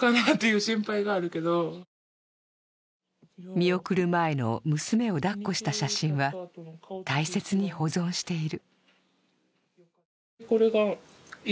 見送る前の娘を抱っこした写真は大切に保存している。